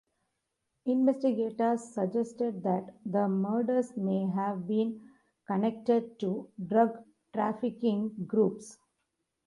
Investigators suggested that the murders may have been connected to drug-trafficking groups.